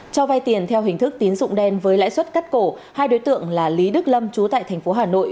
cho vay tiền theo hình thức tín dụng đen với lãi suất cắt cổ hai đối tượng là lý đức lâm chú tại thành phố hà nội